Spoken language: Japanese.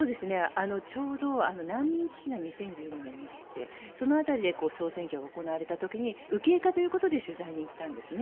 ちょうど難民危機が２０１５年にあってその辺りで総選挙が行われた時に右傾化ということで取材に行ったんですね。